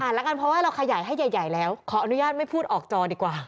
แล้วกันเพราะว่าเราขยายให้ใหญ่แล้วขออนุญาตไม่พูดออกจอดีกว่า